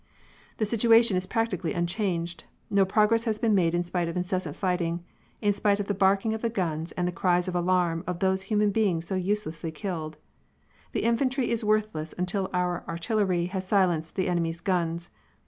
"The situation is practically unchanged. No progress has been made in spite of incessant fighting, in spite of the barking of the guns and the cries of alarm of those human beings so uselessly killed. The infantry is worthless until our artillery has silenced the enemy's guns.